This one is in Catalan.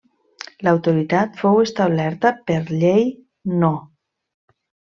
L'autoritat fou establerta per Llei No.